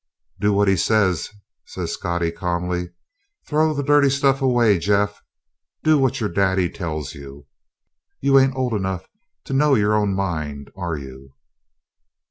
"Do what he says," said Scottie calmly. "Throw the dirty stuff away, Jeff. Do what your daddy tells you. You ain't old enough to know your own mind, are you?"